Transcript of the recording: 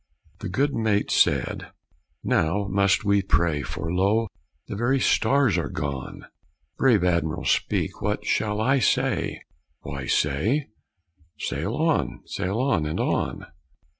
The good mate said: "Now must we pray, For lo! the very stars are gone. Brave Adm'r'l, speak; what shall I say?" "Why, say: 'Sail on! sail on! and on!'"